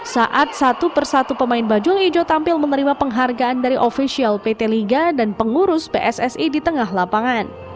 saat satu persatu pemain bajul ijo tampil menerima penghargaan dari ofisial pt liga dan pengurus pssi di tengah lapangan